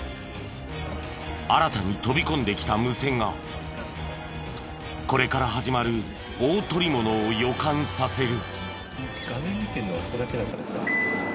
新たに飛び込んできた無線がこれから始まる大捕物を予感させる。